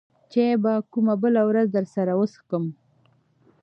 چاى به کومه بله ورځ درسره وڅکم.